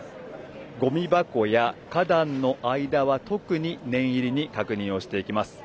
ごみ箱や花壇の間は特に念入りに確認をしていきます。